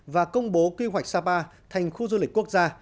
và công bố quy hoạch sapa thành khu du lịch quốc gia